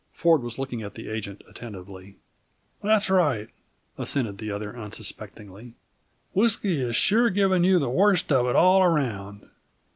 Ford was looking at the agent attentively. "That's right," assented the other unsuspectingly. "Whisky is sure giving you the worst of it all around.